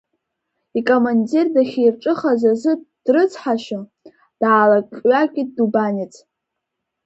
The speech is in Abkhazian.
Икомандир дахьирҿыхаз азы дрыцҳашьо, даалак-ҩакит Дубанец.